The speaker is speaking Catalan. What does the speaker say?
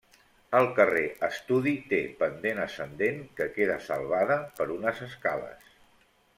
El carrer Estudi té pendent ascendent, que queda salvada per unes escales.